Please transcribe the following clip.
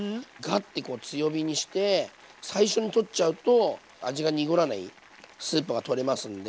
ッてこう強火にして最初に取っちゃうと味が濁らないスープが取れますんで。